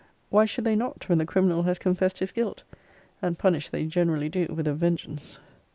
Why should they not, when the criminal has confessed his guilt? And punish they generally do with a vengeance.